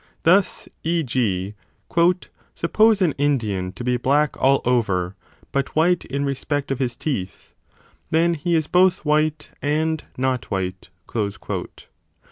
Thus e. g. Suppose an Indian to be black all over, but white in respect of his teeth ; then he is both white and not white.